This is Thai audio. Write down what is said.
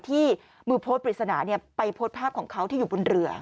ที่มือโพสต์ปริศนาไปโพสต์ภาพของเขาที่อยู่บนเรือ